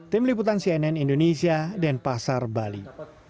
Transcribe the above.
tim liputan cnn indonesia dan pasar bali